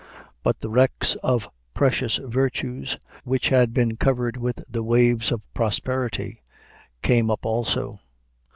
But the wrecks of precious virtues, which had been covered with the waves of prosperity, came up also.